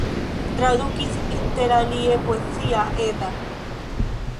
Tradukis interalie Poezia Edda.